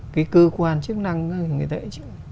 cái cơ quan chức năng ấy người ta ấy